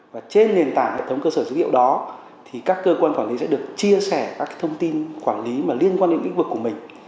và trên nền tảng hệ thống cơ sở dữ liệu đó thì các cơ quan quản lý sẽ được chia sẻ các thông tin quản lý mà liên quan đến lĩnh vực của mình